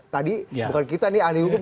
tadi bukan kita nih ahli hukum